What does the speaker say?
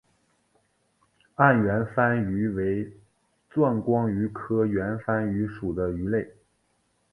暗圆帆鱼为钻光鱼科圆帆鱼属的鱼类。